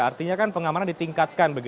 artinya kan pengamaran ditingkatkan